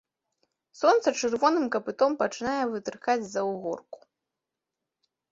Сонца чырвоным капытом пачынае вытыркаць з-за ўзгорку.